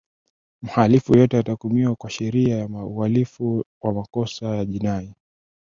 mhalifu yeyote atahukumiwa kwa sheria ya uhalifu wa makosa ya jinai